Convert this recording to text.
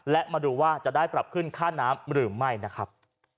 และมาดูว่าจะได้ปรับขึ้นค่าน้ำหรือไม่นะครับ